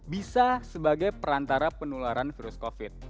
bisa sebagai perantara penularan virus covid